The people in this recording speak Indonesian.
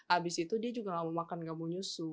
abis itu dia juga gak mau makan gak mau nyusu